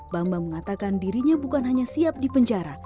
bambang mengatakan dirinya bukan hanya siap di penjara